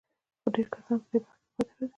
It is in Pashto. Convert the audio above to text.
ډېر کسان په دې برخه کې پاتې راځي.